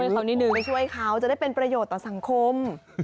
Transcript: เขาไปช่วยเขาจะได้เป็นประโยชน์ให้สังคม